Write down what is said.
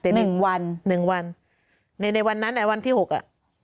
แต่หนึ่งวันหนึ่งวันในในวันนั้นอ่ะวันที่หกอ่ะ